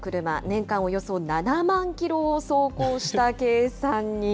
年間およそ７万キロを走行した計算に。